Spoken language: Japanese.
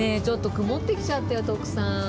ちょっと曇ってきちゃったよ徳さん。